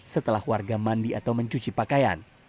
setelah warga mandi atau mencuci pakaian